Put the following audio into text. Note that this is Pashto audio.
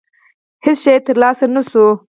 هېڅ شی ترلاسه نه شو.